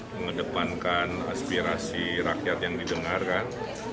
mengedepankan aspirasi rakyat yang didengarkan